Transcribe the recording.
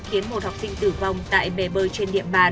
khiến một học sinh tử vong tại bề bơi trên điện bàn